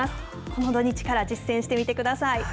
この土日から、実践してみてくだ